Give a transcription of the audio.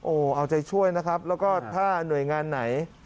เอาใจช่วยนะครับแล้วก็ถ้าหน่วยงานไหน